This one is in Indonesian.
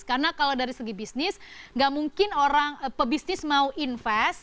karena kalau dari segi bisnis nggak mungkin orang pebisnis mau invest